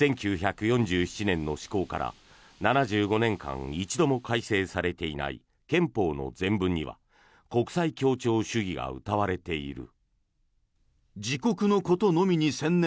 １９４７年の施行から７５年間一度も改正されていない憲法の前文には国際協調主義がうたわれている。